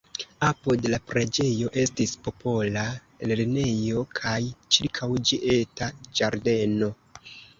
Apud la preĝejo estis popola lernejo kaj ĉirkaŭ ĝi eta ĝardeno.